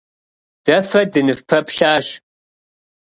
Дэ фэ дыныфпэплъащ.